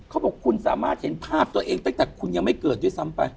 เขาบอกคุณสามารถเห็นภาพตัวเองตั้งแต่คุณยังไม่เกิดด้วยซ้ำไป